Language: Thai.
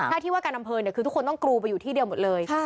ถ้าที่ว่าการอำเภอคือทุกคนต้องกรูไปอยู่ที่เดียวหมดเลย